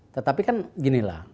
tetapi kan ginilah